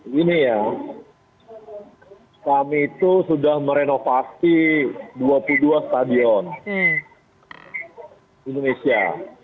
gini ya kami itu sudah merenovasi dua puluh dua stadion indonesia